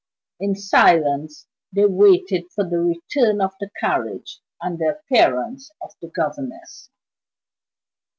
In silence they waited for the return of the carriage, and the appearance of the governess.